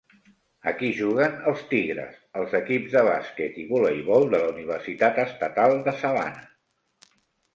Aquí juguen els Tigres, els equips de bàsquet i voleibol de la Universitat Estatal de Savannah.